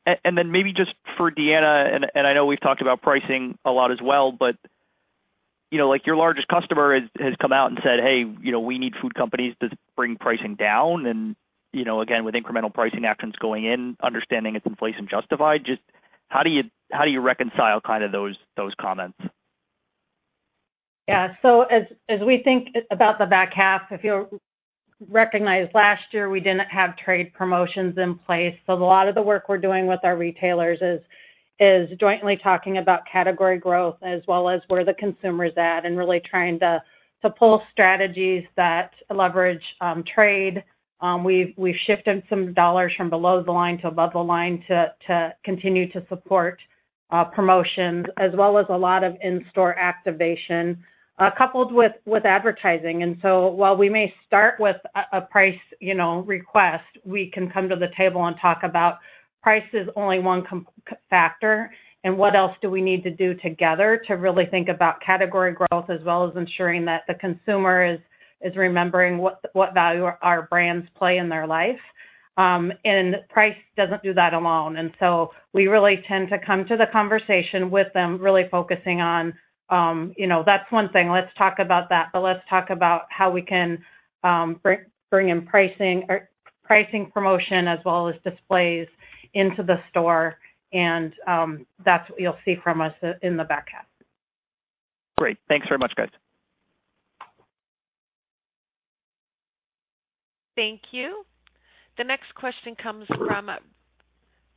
Then maybe just for Deanna, and I know we've talked about pricing a lot as well, but, you know, like, your largest customer has come out and said, "Hey, you know, we need food companies to bring pricing down." You know, again, with incremental pricing actions going in, understanding it's inflation justified, just how do you reconcile kind of those comments? As we think about the back half, if you recognize last year, we didn't have trade promotions in place. A lot of the work we're doing with our retailers is jointly talking about category growth as well as where the consumer's at, and really trying to pull strategies that leverage trade. We've shifted some dollars from below the line to above the line to continue to support promotions, as well as a lot of in-store activation coupled with advertising. While we may start with a price, you know, request, we can come to the table and talk about price is only one factor, and what else do we need to do together to really think about category growth, as well as ensuring that the consumer is remembering what value our brands play in their life. Price doesn't do that alone. We really tend to come to the conversation with them, really focusing on, you know, that's one thing, let's talk about that, but let's talk about how we can bring in pricing or pricing promotion as well as displays into the store, and that's what you'll see from us in the back half. Great. Thanks very much, guys. Thank you. The next question comes from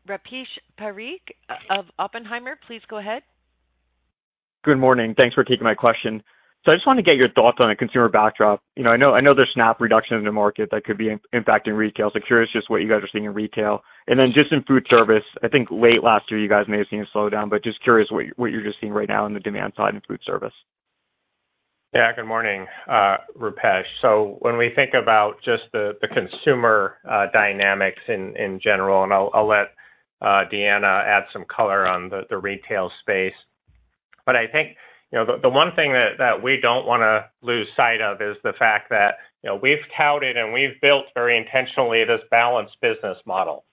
Rupesh Parikh of Oppenheimer. Please go ahead. Good morning. Thanks for taking my question. I just wanted to get your thoughts on the consumer backdrop. You know, I know, I know there's SNAP reduction in the market that could be impacting retail, so curious just what you guys are seeing in retail. Then just in food service, I think late last year, you guys may have seen a slowdown, but just curious what you're just seeing right now on the demand side in food service. Good morning, Rupesh. When we think about just the consumer dynamics in general, and I'll let Deanna add some color on the retail space. I think, you know, the one thing that we don't wanna lose sight of is the fact that, you know, we've touted and we've built very intentionally this balanced business model.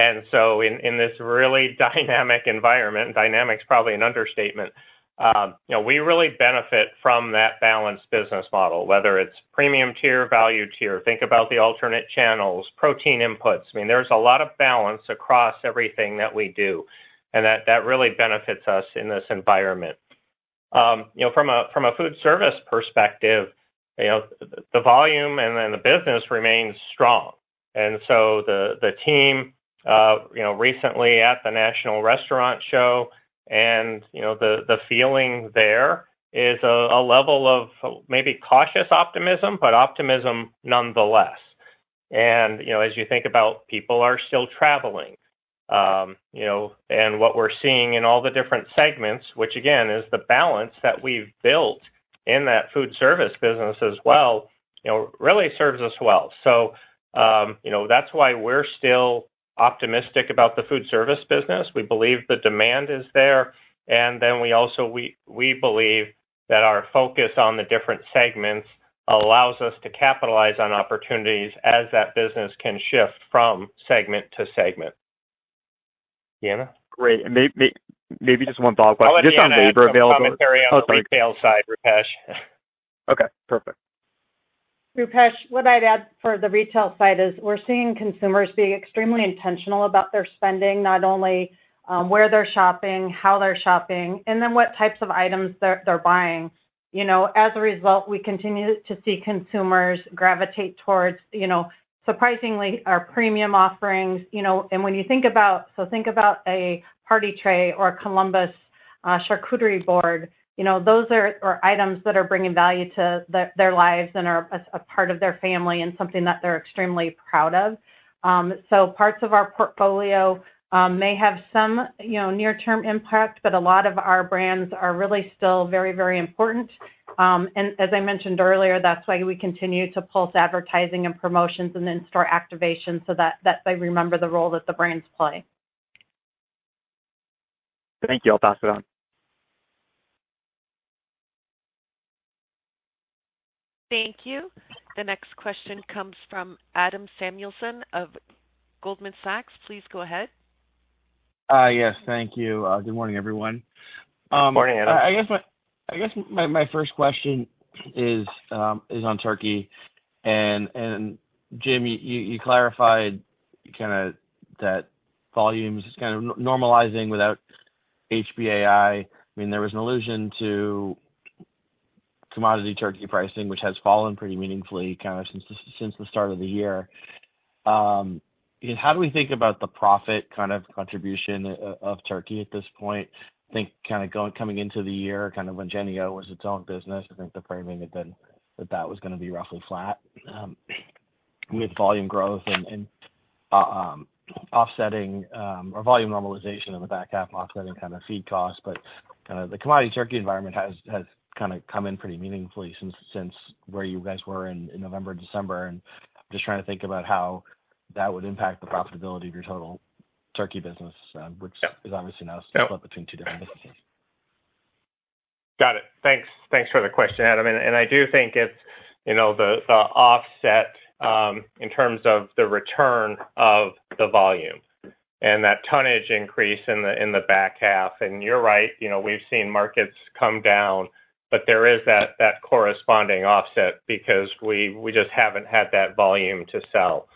In, in this really dynamic environment, dynamic's probably an understatement, you know, we really benefit from that balanced business model, whether it's premium tier, value tier, think about the alternate channels, protein inputs. I mean, there's a lot of balance across everything that we do, and that really benefits us in this environment. You know, from a, from a foodservice perspective, you know, the volume and then the business remains strong. The team, you know, recently at the National Restaurant Association Show and, you know, the feeling there is a level of maybe cautious optimism, but optimism nonetheless. You know, as you think about people are still traveling, you know, and what we're seeing in all the different segments, which again, is the balance that we've built in that foodservice business as well, you know, really serves us well. You know, that's why we're still optimistic about the foodservice business. We believe the demand is there, and then we also believe that our focus on the different segments allows us to capitalize on opportunities as that business can shift from segment to segment. Great. Maybe just one follow-up question just on labor availability. I'll add some commentary on the retail side, Rupesh. Okay, perfect. Rupesh, what I'd add for the retail side is we're seeing consumers being extremely intentional about their spending, not only where they're shopping, how they're shopping, and then what types of items they're buying. You know, as a result, we continue to see consumers gravitate towards, you know, surprisingly, our premium offerings. You know, and when you think about a party tray or a COLUMBUS charcuterie board. You know, those are items that are bringing value to their lives and are a part of their family and something that they're extremely proud of. So parts of our portfolio may have some, you know, near-term impact, but a lot of our brands are really still very, very important. As I mentioned earlier, that's why we continue to pulse advertising and promotions and in-store activation so that they remember the role that the brands play. Thank you. I'll pass it on. Thank you. The next question comes from Adam Samuelson of Goldman Sachs. Please go ahead. Yes, thank you. Good morning, everyone. Good morning, Adam. I guess my first question is on turkey. Jim, you clarified kinda that volumes is kind of normalizing without HPAI. I mean, there was an allusion to commodity turkey pricing, which has fallen pretty meaningfully, kind of since the start of the year. How do we think about the profit kind of contribution of turkey at this point? I think kind of going, coming into the year, kind of when Jennie-O was its own business, I think the framing had been that that was gonna be roughly flat, with volume growth and offsetting, or volume normalization in the back half offsetting kind of feed costs. The commodity turkey environment has kind of come in pretty meaningfully since where you guys were in November, December. I'm just trying to think about how that would impact the profitability of your total turkey business, which is obviously now split between two different businesses. Got it. Thanks. Thanks for the question, Adam. I do think it's, you know, the offset, in terms of the return of the volume and that tonnage increase in the back half. You're right, you know, we've seen markets come down, but there is that corresponding offset because we just haven't had that volume to sell.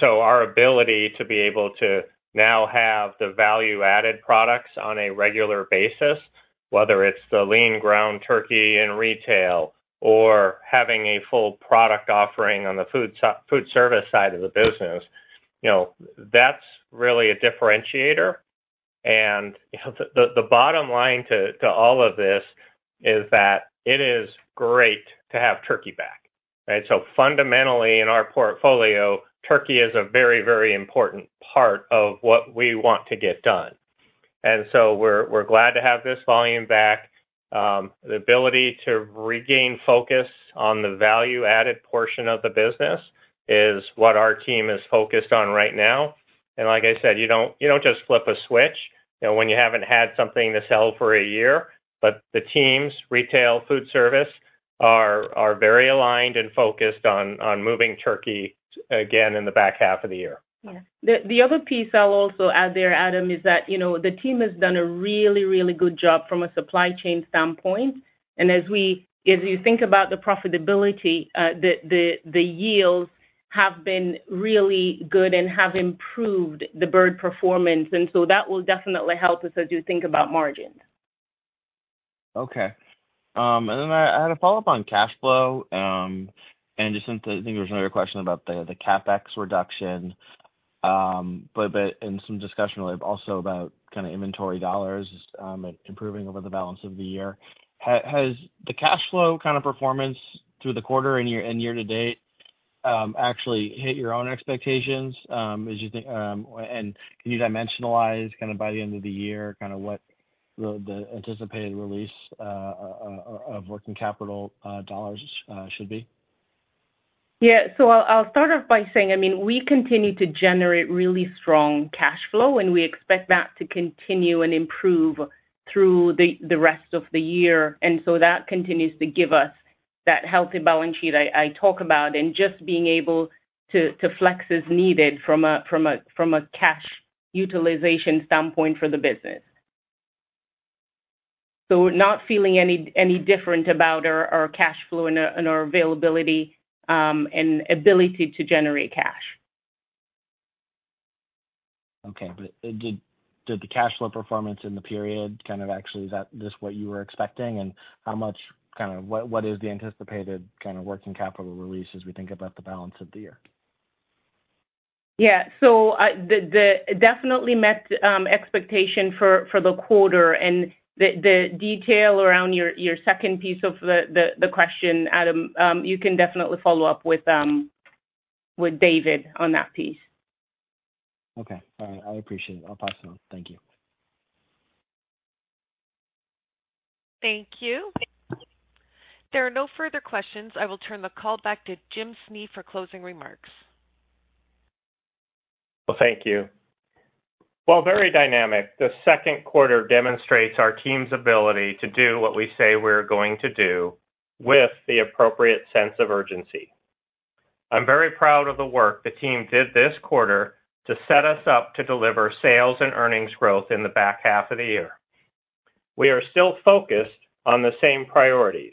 Our ability to be able to now have the value-added products on a regular basis, whether it's the lean ground turkey in retail or having a full product offering on the food service side of the business, you know, that's really a differentiator. You know, the bottom line to all of this is that it is great to have turkey back, right? Fundamentally, in our portfolio, turkey is a very important part of what we want to get done. We're glad to have this volume back. The ability to regain focus on the value-added portion of the business is what our team is focused on right now. Like I said, you don't just flip a switch, you know, when you haven't had something to sell for a year. The teams, retail, foodservice, are very aligned and focused on moving turkey again in the back half of the year. Yeah. The other piece I'll also add there, Adam, is that, you know, the team has done a really good job from a supply chain standpoint. If you think about the profitability, the yields have been really good and have improved the bird performance. That will definitely help us as you think about margins. Okay. I had a follow-up on cash flow. Just since I think there was another question about the CapEx reduction, but in some discussion also about kind of inventory dollars improving over the balance of the year. Has the cash flow kind of performance through the quarter and year, and year-to-date, actually hit your own expectations as you think. Can you dimensionalize kind of by the end of the year, kind of what the anticipated release of working capital dollars should be? Yeah. I'll start off by saying, I mean, we continue to generate really strong cash flow, and we expect that to continue and improve through the rest of the year. That continues to give us that healthy balance sheet I talk about, and just being able to flex as needed from a cash utilization standpoint for the business. We're not feeling any different about our cash flow and our availability and ability to generate cash. Okay. Did the cash flow performance in the period kind of actually, is that just what you were expecting? How much is the anticipated kind of working capital release as we think about the balance of the year? Yeah. It definitely met expectation for the quarter. The detail around your second piece of the question, Adam Samuelson, you can definitely follow up with David Dahlstrom on that piece. Okay. All right. I appreciate it. I'll pass it on. Thank you. Thank you. There are no further questions. I will turn the call back to Jim Snee for closing remarks. Thank you. While very dynamic, the second quarter demonstrates our team's ability to do what we say we're going to do with the appropriate sense of urgency. I'm very proud of the work the team did this quarter to set us up to deliver sales and earnings growth in the back half of the year. We are still focused on the same priorities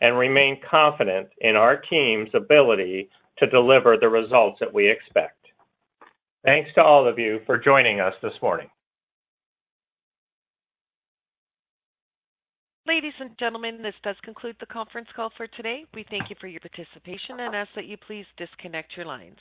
and remain confident in our team's ability to deliver the results that we expect. Thanks to all of you for joining us this morning. Ladies and gentlemen, this does conclude the conference call for today. We thank you for your participation and ask that you please disconnect your lines.